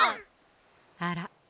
あら？